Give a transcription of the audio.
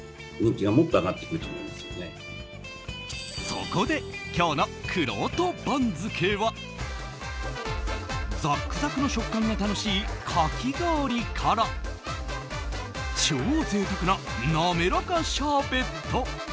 そこで、今日のくろうと番付はザックザクの食感が楽しいかき氷から超贅沢な滑らかシャーベット。